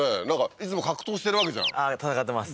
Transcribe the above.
いつも格闘してるわけじゃん戦ってます